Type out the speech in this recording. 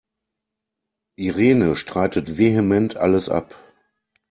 Irene streitet vehement alles ab.